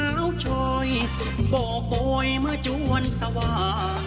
ลมน้าวช่อยโบกโบยเมื่อจวนสว่า